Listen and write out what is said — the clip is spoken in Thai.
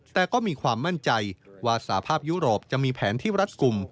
แต่ก็มีความมั่นใจว่าสภาพยุโรปจะมีแผนที่รัดกลุ่ม